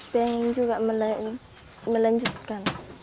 benang juga melanjutkan